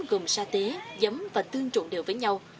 gồm sa tế giấm và tương trộn đều với nhau